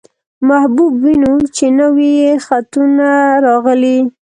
محبوب وينو، چې نوي يې خطونه راغلي.